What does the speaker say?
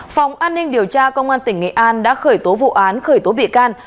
phòng an ninh điều tra công an tỉnh nghệ an đã khởi tố vụ án khởi tố bị can